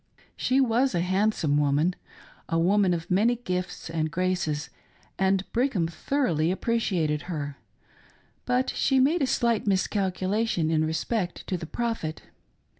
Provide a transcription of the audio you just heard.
She was a handsome woman — a woman of many gifts and graces, and Brigham thoroughly appreciated her ; but she made a slight miscalculation in respect to the Prophet.